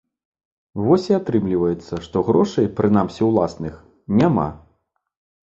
Вось і атрымліваецца, што грошай, прынамсі ўласных, няма.